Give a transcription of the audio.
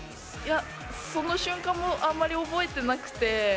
その瞬間もあまり覚えていなくて。